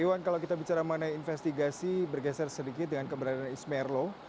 iwan kalau kita bicara mengenai investigasi bergeser sedikit dengan keberadaan ismerlo